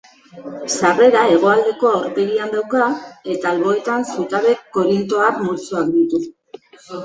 Sarrera hegoaldeko aurpegian dauka eta alboetan zutabe korintoar multzoak ditu.